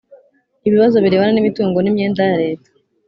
ibibazo birebana n imitungo n imyenda ya leta